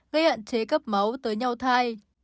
gây hạn chế cấp máu tới nhau thai